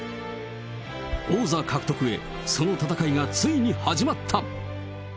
王座獲得へ、その戦いがついに始まった。